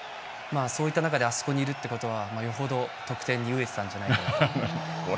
そういった中であそこにいるということはよほど得点に飢えてたんじゃないかなと。